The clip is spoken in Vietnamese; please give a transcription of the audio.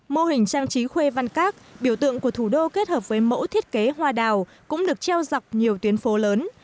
mô hình trang trí khuê văn các biểu tượng của thủ đô kết hợp với mẫu thiết kế hoa đào cũng được treo dọc nhiều tuyến phố lớn